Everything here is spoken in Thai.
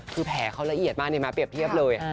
คือแผลเค้าละเอียดมากนะเข็บโทรบเลย